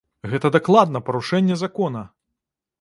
Гэта дакладна парушэнне закона!